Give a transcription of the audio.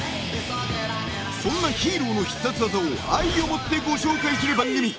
［そんなヒーローの必殺技を愛をもってご紹介する番組］